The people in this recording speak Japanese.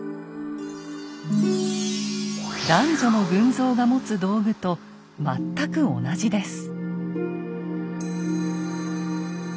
男女の群像が持つ道具と全く同じです。